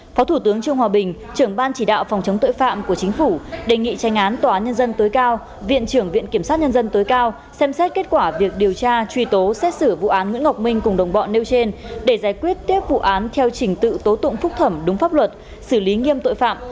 phó thủ tướng trương hòa bình trưởng ban chỉ đạo phòng chống tội phạm của chính phủ đề nghị tranh án tòa án nhân dân tối cao viện trưởng viện kiểm sát nhân dân tối cao xem xét kết quả việc điều tra truy tố xét xử vụ án nguyễn ngọc minh cùng đồng bọn nêu trên để giải quyết tiếp vụ án theo trình tự tố tụng phúc thẩm đúng pháp luật xử lý nghiêm tội phạm